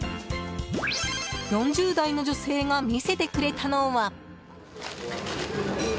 ４０代の女性が見せてくれたのは。